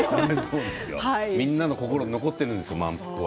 みんなの心に残っているんですよ「まんぷく」は。